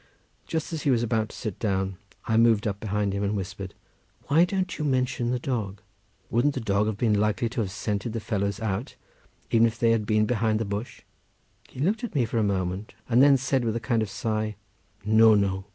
Just as he was about to sit down, I moved up behind him and whispered, "Why don't you mention the dog? Wouldn't the dog have been likely to have scented the fellows out, even if they had been behind the bush." He looked at me for a moment, and then said with a kind of sigh, "No, no!